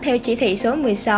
theo chỉ thị số một mươi sáu